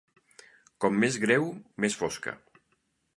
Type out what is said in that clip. Com més greu, més fosca.